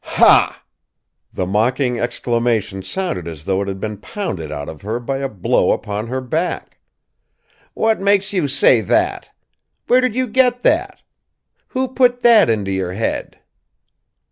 "Ha!" The mocking exclamation sounded as though it had been pounded out of her by a blow upon her back. "What makes you say that? Where do you get that? Who put that into your head?"